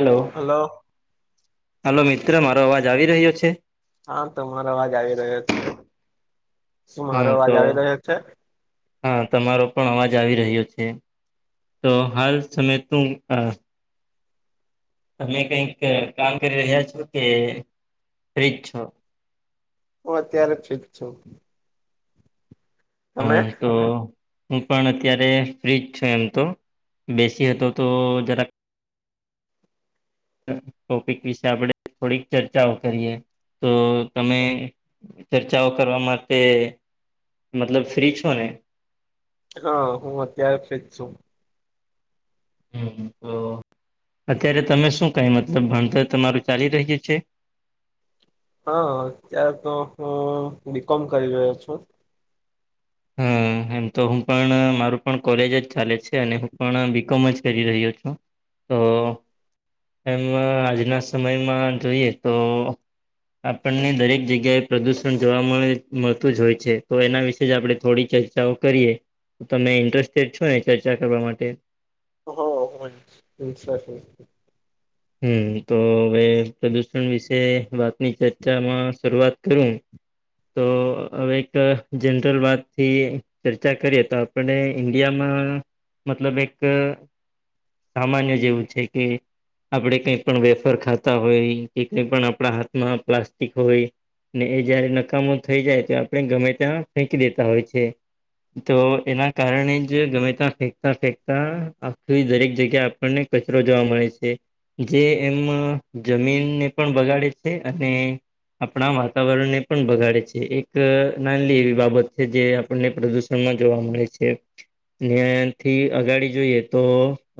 Hello hello મિત્ર મારો અવાજ આવી રહ્યો છે? હા તમારો અવાજ આવી રહ્યો છે. શું હા મારો અવાજ તો આવી રહ્યો છે? હા તમારો પણ અવાજ આવી રહ્યો છે તો હાલ સમય તું આ તમે કઈક કામ કરી રહ્યા છો કે ફ્રી જ છો? હું અત્યારે ફ્રી જ છું. તમે હા તો હું પણ અત્યારે ફ્ર્રી જ છો એમ તો બેસીયે તો તો જરાક ટોપિક વિશે આપણે થોડીક ચર્ચાઓ કરીએ તો તમે ચર્ચાઓ કરવા માટે મતલબ ફ્રી છો ને? હા હું અત્યારે ફ્રી જ છું. હમમ હમમ તો અત્યારે તમે શું કઈ મતલબ ભણતર તમારું ચાલી રહયુ છે? હા અત્યાર તો હું બીકોમ કરી રહ્યો છું. હા. એમ તો હું પણ મારું પણ કોલેજ જ ચાલે છે અને હું પણ બીકોમ જ કરી રહ્યો છું. તો એમ આજના સમયમાં જોઈએ તો આપણને દરેક જગ્યાએ પ્રદુષણ જોવા મળે મળતું જ હોય છે તો એના વિશે જ આપણે થોડી ચર્ચાઓ કરીએ તો તમે ઇન્ટરેસ્ટેડ છો ને એ ચર્ચા કરવા માટે? હો [unintelligible] હમમ તો હવે પ્રદુષણ વિશે વાતની ચર્ચામાં શરૂઆત કરું. તો હવે એક જનરલ વાતથી ચર્ચા કરીએ તો આપણ ને ઈન્ડિયામાં મતલબ એક સામાન્ય જેવું છે કે આપણે કઈ પણ વેફર ખાતા હોય, કે કઈ પણ આપણા હાથમાં પ્લાસ્ટિક હોય ને એ જયારે નકામુ થઈ જાય તો આપણે ગમે ત્યાં ફેકી દેતા હોય છે. તો એના કારણે જ ગમે તા ફેંકતા ફેંકતા આખી દરેક જગ્યા આપણ ને કચરો જોવા મળે છે. એટલે એમ જમીનને પણ બગાડે છે અને આપણા વાતાવરણને પણ બગાડે છે એક નાલી એવી બાબત છે જે આપણને પ્રદુષણમાં જોવા મળે છે. ને એન થી અગાડી જોઈએ તો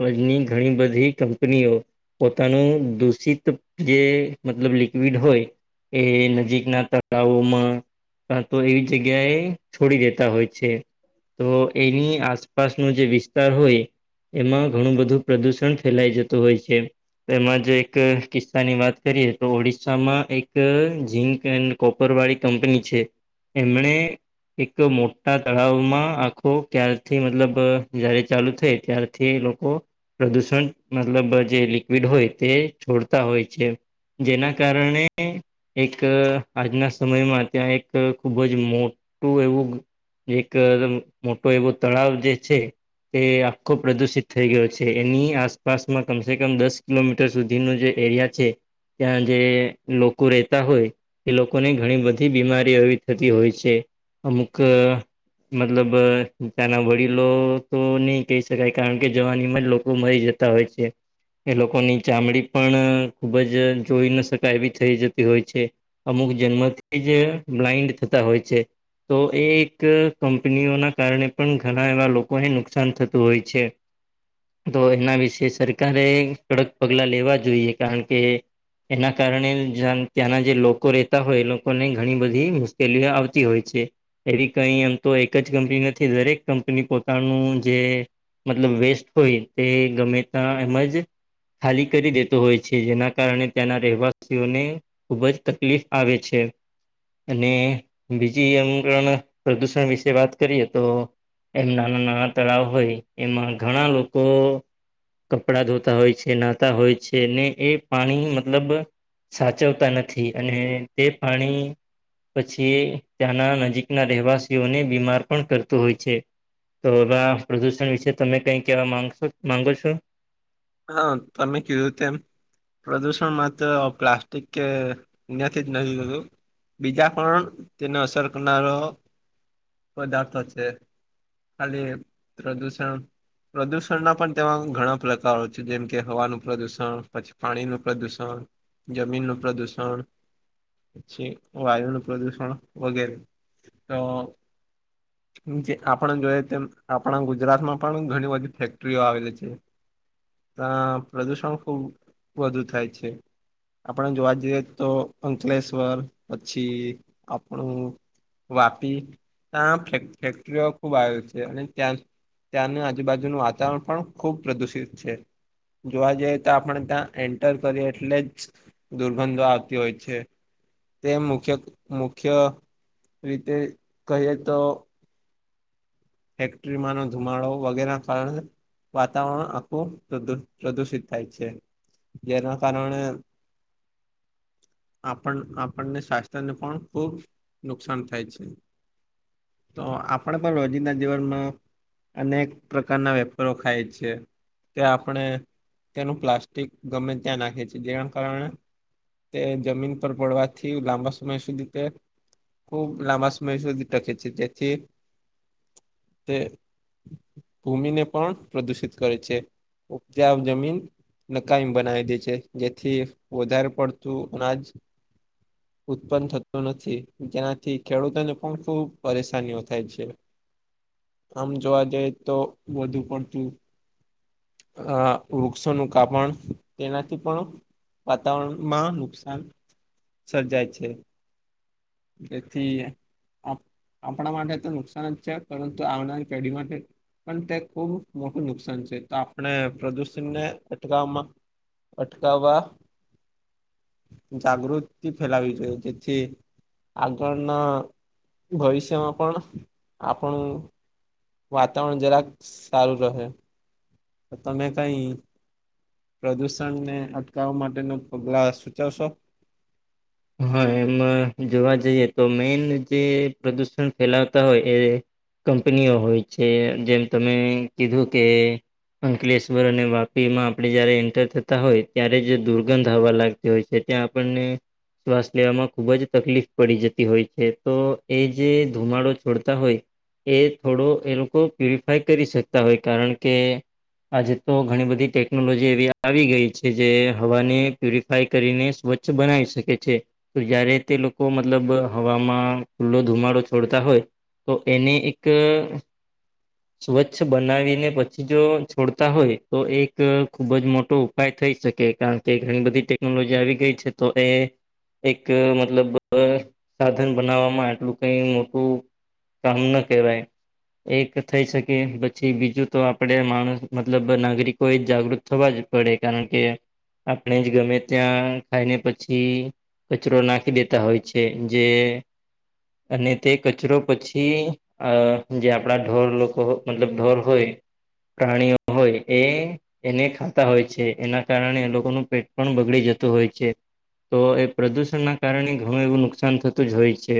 આજની ઘણી બધી કંપનીઓ પોતાનું દૂષિત જે મતલબ લિક્વિડ હોય એ નજીકના ત તળાવો માં કાતો એવી જગ્યાએ છોડી દેતા હોય છે. તો એની આસપાસ નો જે વિસ્તાર હોય એમાં ઘણું બધું પ્રદુષણ ફેલાય જતું હોય છે. એમાં જે એક કિસ્સાની વાત કરીએ તો ઓડિસ્શામાં એક જીંક એન્ડ કોપરવાળી કંપની છે એમણે એક મોટા તળાવમાં આખો ક્યારથી મતલબ જયારે ચાલુ થાય તાર થી લોકો પ્રદુષણ મતલબ જે લિક્વિડ હોય તે છોડતા હોય છે. જેના કારણે એક આજના સમયમાં ત્યાં એક ખુબ જ મોટું એવું. એક મોટો એવો તળાવ જે છે. એ આખો પ્રદુષિત થઈ ગયો છે. એની આસપાસમાં કમ સે કમ દસ કિલોમીટ સુધી નું જે એરિયા છે. ત્યાં જે લોકો રેતા હોય. એ લોકોને ઘણી બધી બીમારી એવી થતી હોય છે. અમુક મતલબ ત્યાંના વડીલો તો નહી કહી શકાય કારણ કે જવાની માં જ લોકો મરી જતા જતા હોય છે. એ લોકોની ચામડી પણ ખૂબ જ જોઈ ન શકાય એવી થઈ જતી હોય છે. અમુક જન્મથી જ બ્લાઈન્ડ થતા હોય છે. તો એ એક કંપનીઓના કારણે પણ ઘણા એવા લોકોને નુકસાન થતું હોય છે. તો એના વિશે સરકારે કડક પગલા લેવા જોઈએ કારણ કે એના કારણે જા ત્યાંના જે લોકો લોકો રહેતા હોય એ લોકોને ઘણી બધી મુશ્કેલીઓ આવતી હોય છે. એવી કઈ એમ તો એક જ કંપની નથી. દરેક કંપની પોતાનું જે મતલબ વેસ્ટ હોય તે ગમે તા એમ જ ખાલી કરી દેતો હોય છે. જેના કારણે ત્યાંના રહેવાસીઓને ખૂબ જ તકલીફ આવેે છે. અને બીજી અનગણ પ્રદુષણ વિશે વાત કરીએ તો એમ નાના- નાના તળાવ હોય એમાં ઘણા લોકો કપડા ધોતા હોય છે નાહતા હોય છે ને એ પાણી મતલબ સાચવતા નથી, અને તે પાણી પછી ત્યાંના નજીકના રહેવાસીઓને બીમાર પણ કરતું હોય છે. તો વા પ્રદુષણ વિશે તમે કઈ કેવા માંગશો? માંગો છો? હા તમે કીધું તેમ પ્રદૂષણ માત્ર પ્લાસ્ટિક કે એનાથી જ નથી થતું. બીજા પણ તેને અસર કરનારો પદાર્થો છે. ખાલી પ્રદુષણ પ્રદુષણના પણ તેમાં ઘણા પ્રક કરો છે. જેમ કે હવાનું પ્રદુષણ, પછી પાણી નું પ્રદુષણ જમીન નું પ્રદુષણ. છે વાયુનું પ્રદુષણ વગેરે તો જે આપણે જોઈય તેમ આપણા ગુજરાતમાં પણ ઘણી બધી ફેક્ટરીઓ આવેલી છે. તા પ્રદુષણ ખુબ વધુ થાય છે. આપણે જોવા જઈએ તો અંકલેશ્વર પછી આપણું વાપી તા ફે ફેક્ટરીઓ ખુબ આવેલી છે અને ત્યાં ત્યાંની આજુબાજુનું વાતાવરણ પણ ખુબ પ્રદુષિતષિ છે. જોવા જઈએ તો આપણે ત્યાં એન્ટર કરીએ એટલે જ દુર્ગંધો આવતી હોય છે. તે મુખ્ય મુખ્ય રીતે કહીએ તો ફેક્ટ્રીમાંનો ધુમાડો વગેરે કારણે વાતાવરણ આખુ પ્રદુ પ્રદુષિત થાય છે. જેના કારણે આપણ આપણને સ્વાસ્થ્યને પણ ખૂબ નુકસાન થાય છે. તો આપણે પણ રોજિંદા જીવનમાં અનેક પ્રકારના વેફરો ખાય છે. તે આપણે તેનું પ્લાસ્ટિક ગમે ત્યાં નાખે છે જેના કારણે તે જમીન પર પડવાથી લાંબા સ સમય સુધી તે ખૂબ લાંબા સમય સુધી ટકે છે જેથી તે ભૂમિને પણ પ્રદુષિત કરે છે. ઉપજાવ જમીન નકામી બનાવી દે છે જેથી વધારે પડતું અનાજ ઉત્પન્ન થતું નથી જેનાથી ખેડૂતોને પણ ખુબ પરેશાનીઓ થાય છે. આમ જોવા જઈ તો વધુ પડતી અ વૃક્ષોનું કાપણ એનાથી પણ વાતાવરણમાં નુકસાન સર્જાય છે. જેથી આપણા માટે તો નુકસાન જ છે. પરંતુ આવનારી પેઢી માટે પણ તે ખુબ મોટું નુકસાન છે તો આપણે પ્રદુષણને અટકાવવામાં અટકાવવા જાગૃતિ ફેલાવી જોઈએ જેથી આગળના ભવિષ્યમાં પણ પણ વાતાવરણ જરાક સારું રહે. તમે કઈ પ્રદૂષણને અટકાવવા માટે ના પગલા સૂચવશો. હા એમાટે જોવા જઈએ તો મેઈન જે પ્રદુષણ ફેલાવતા હોય એ કંપનીઓ હોય છે જેમ તમે કીધું કે અંકલેશ્વર અને વાપીમાં આપણે જયારે એન્ટર થતા હોય ત્યારે જ દુર્ગંધ હવા લાગ તી હોય છે ત્યાં આપણને શ્વાસ લેવામાં ખૂબ જ તકલીફ પડી જતી હોય છે તો એ જે ધુમાડો છોડતા હોય એ થોડો એ લોકો પ્યુરિફાય કરી શકતા હોય કારણ કે આજે તો ઘણી બધી ટેકનોલોજી એવી આવી ગઈ છે જે હવાને પ્યુરી ફાય કરીને સ્વચ્છ બનાવી શકે. છે તો જયારે તે લોકો મતલબ હવામાં ખુલ્લો ધુમાડો છોડતા હોય તો એને એક સ્વચ્છ બનાવીને પછી જો છોડતા હોય તો એક ખૂબ જ મોટો ઉપાય થઈ શકે કારણ કે ઘણી બધી ટેકનોલોજી આવી ગઈ છે તો એ એક મતલબ સાધન બનાવવામાં આટલું કઈ મોટું કામ ન કેહવાય. એક થઈ શકે પછી બીજું તો આપણે માણસ મતલબ નાગરિકો એ જાગૃત થવા જ પડે કારણ કે આપણે જ ગમે ત્યાં ખાઈને પછી કચરો નાખી દેતા હોય છે જે અને તે કચરો પછી અ જે આપણા ઢોર લોકો મતલબ ઢોર હોય પ્રાણીઓ હોય એ એને ખાતા હોય છે એના કારણે એ લોકોનું પેટ પણ બગડી જતું હોય છે તો એ પ્રદુષણ ના કારણે ઘણું એવું નુકસાન થતું જ હોય છે.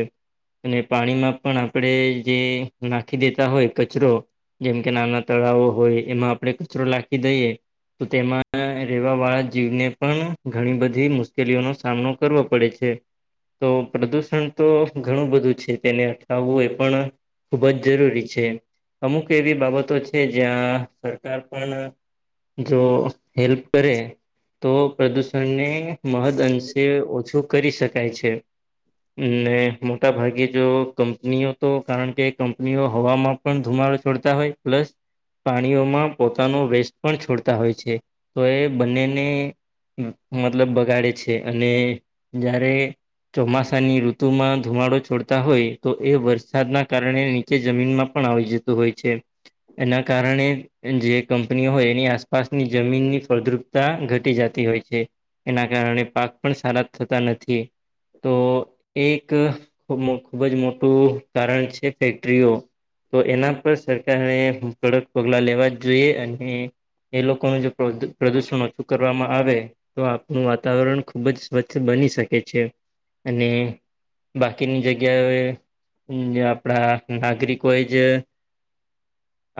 અને પાણીમાં પણ આપણે જે નાખી દેતા હોય કચરો જેમ કે નાના તળાવો હોય એમાં આપણે કચરો લખી દઈએ. તો તેમાં રહેવા વાળા જીવને પણ ઘણી બધી મુશ્કેલીઓનો સામનો કરવો પડે છે. તો પ્રદુષણ તો ઘણું બધું છે તેને અટકાવવું એ પણ ખૂબ જ જરૂરી છે, અમુક એવી બાબતો છે જ્યાં સરકાર પણ જો હેલ્પ કરે, તો પ્રદૂષણને મહદઅંશે ઓછું કરી શકાય છે. ને મોટાભાગે જો કંપનીઓ તો કારણ કે કંપનીઓ હવામાં પણ ધુમાડો છોડતા હોય પ્લસ પાણીઓમાં પોતાનો વેસ્ટ પણ છોડતા હોય છે, તો એ બંનેને મતલબ બગાડે છે અને જ્યારે ચોમાસાની ઋતુમાં ધુમાડો છોડતા હોય તો એ વરસાદના કારણે કે જમીનમાં પણ આવી જતું હોય છે, એના કારણે જે કંપનીઓ હોય એની આસપ પાસની જમીનની ફળદ્રુપતા ઘટી જતી હોય છે, એના કારણે પાક પણ સારા થતા નથી. તો એક ખૂબ જ મોટું કારણ છે ફેક્ટરીઓ તો એના પર સરકારને કડક પગલા લેવા જ જોઈએ અને એ લોકોનું જો પ્રદુષણ ઓછું કરવામાં આવે તો આપણું વાતાવરણ ખુબ જ વચ્ચે બની શકે છે, અને બાકીની જગ્યાએ આપણા નાગરિકો એ જ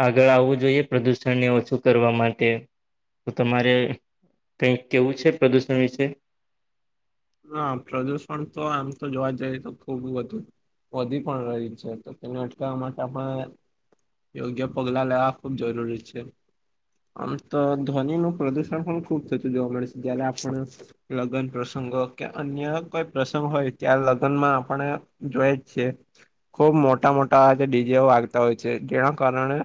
આગળ આવવું જોઈએ પ્રદૂષણને ઓછું કરવા માટે. તો તમારે કઈક કેવું છે પ્રદૂષણ વિશે? હ પ્રદુષણ તો આમ તો જોવા જઈએ તો ખૂબ વધું વધી પણ રહી છે તો તેને અટકાવવા માટે આપણે યોગ્ય પગલાં લેવા ખૂબ જરૂરી છે. આમ તો ધ્વનિ નું પ્રદુષણ પણ ખુબ થતું જોવા મળે છે જય્યારે આપણ લગન પ્રસંગ કે અન્ય કોઈ પ્રસંગ હોય ત્યા લગ્નમાં આપણે જોય જ છીએ. ખુબ મોટા મોટા જે ડીજેઓ આગતા હોય છે જેના કારણે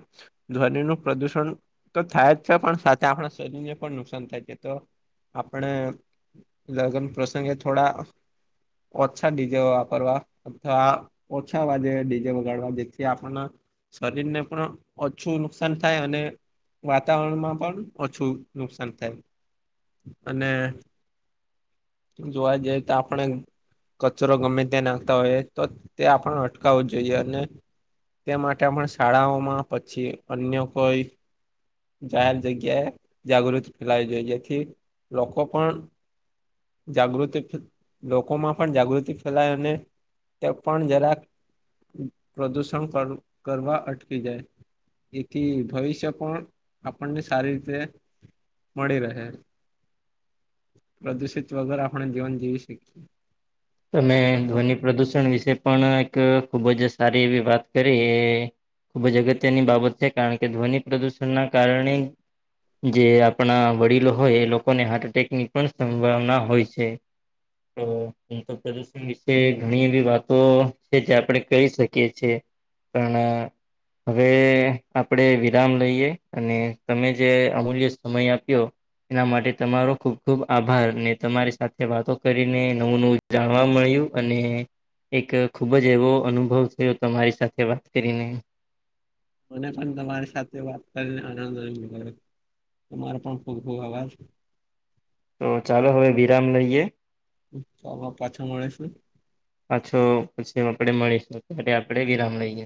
ધ્વનિ ન પ્રદુષણ તો થાય જ છે પણ સાથે આપણા શરીરને પણ નુકસાન થાય છે તો આપણે લગ્ન પ્રસંગે થોડા ઓછા ડીજે વાપરવા અથવા ઓછા વાજે ડીજે વગાડવા જેથી આપણને શરીર ને પણ ઓછું નુકસાન થાય અને વાતાવરણમાં પણ ઓછું નુકસાન થાય, અને જોવા જઈ તો આપણે કચરો ગમે ત્યાં નાખતા હોયએ તો તે આપણ અટકાવવું જોઈએ અને તે માટે પણ શાળાઓમાં પછી અન્ય કોઈ જાહેર જગ્યાએ જાગૃતિ ફેલાવી જોઈએ જેથી લોકો પણ જાગૃતિ લોકોમાં પણ જાગૃતિ ફેલાય અને, તે પણ જરાક પ્રદુષણ કરવા અટકી જાય. એથી ભવિષ્ય પણ આપણને સારી રીતે મળી રહે. પ્રદુષિત વગર આપણે જીવન જીવી શકીખીએ. તમે ધ્વનિ પ્રદુષણ વિશે પણ એક ખુબ જ સારી એવી વાત કરી. ખુબ જ અગત્યની બાબત છે કારણ કે ધ્વનિ પ્રદૂષણના કારણે જે આપણા વડીલો હોય એ લોકોને હાર્ટ એટેકની પણ સંભાવના હોય છે. તો એમ તો પ્રદુષણ વિશે ઘણી એવી વાતો છે જે આપણે કરી શકીએ છીએ. પણ હવે આપડે વિરામ લઈએ અને તમે જે અમૂલ્ય સમય આપ્યો એના માટે તમારો ખુબ ખુબ આભાર ને તમારી સાથે વાતો કરીને નવું નવું જાણવા મળ્યું અને એક ખૂબ જ એવો અનુભવ થયો તમારી સાથે વાત કરીને મને પણ તમારી સાથે વાત કરીને આનંદ અનુભવ્યો તમારો પણ ખૂબ ખૂબ આભાર. તો ચાલો હવે વિરામ લઈએ. અવે પાછા મળીશું. પાછો પછી આપડે મળીશું ત્યારે આપડે વિરામ લઈએ.